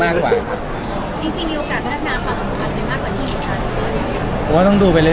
มีมีมีมีมีมีมีมีมีมี